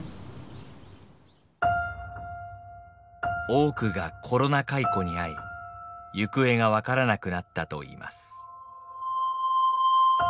多くがコロナ解雇に遭い行方が分からなくなったといいます。